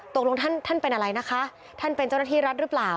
ตกลงท่านท่านเป็นอะไรนะคะท่านเป็นเจ้าหน้าที่รัฐหรือเปล่า